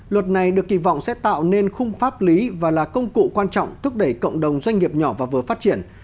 luật này được kỳ vọng sẽ tạo nên khung pháp lý và là công cụ quan trọng thúc đẩy cộng đồng doanh nghiệp nhỏ và vừa phát triển